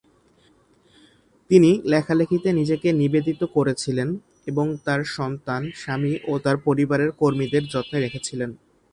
তিনি লেখালেখিতে নিজেকে নিবেদিত করেছিলেন এবং তার সন্তান, স্বামী ও তার পরিবারের কর্মীদের যত্নে রেখেছিলেন।